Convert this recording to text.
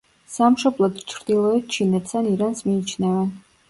სამშობლოდ ჩრდილოეთ ჩინეთს ან ირანს მიიჩნევენ.